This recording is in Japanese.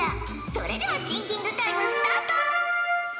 それではシンキングタイムスタート！